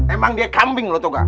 emang dia kambing lo tau gak